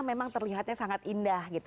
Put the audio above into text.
memang terlihatnya sangat indah